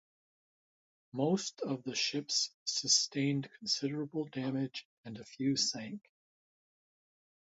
Most of the ships sustained considerable damage and a few sank.